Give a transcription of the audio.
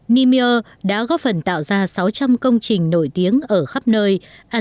nimil đã góp phần tạo ra sáu trăm linh công trình nổi tiếng ở khắp nơi